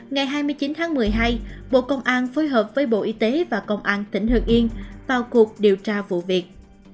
ngày hai mươi chín tháng một mươi hai bộ công an phối hợp với bộ y tế và công an tỉnh hương yên vào cuộc điều tra vụ việc